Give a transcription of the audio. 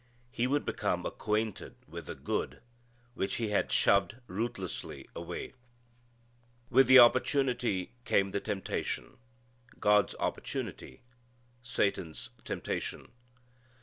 He would become acquainted with the good which he had shoved ruthlessly away. With the opportunity came the temptation: God's opportunity; Satan's temptation.